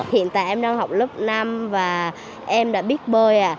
hiện tại em đang học lớp năm và em đã biết bơi à